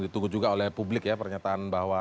ditunggu juga oleh publik ya pernyataan bahwa